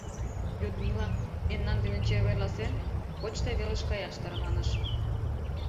Людмила, мемнан дене чеверласен, почта велыш каяш тарваныш.